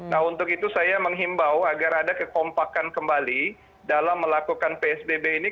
nah untuk itu saya menghimbau agar ada kekompakan kembali dalam melakukan psbb ini